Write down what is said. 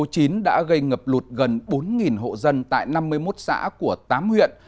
mưa lớn số chín đã gây ngập lụt gần bốn hộ dân tại năm mươi một xã của tám huyện